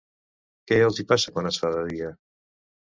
Què els hi passa quan es fa de dia?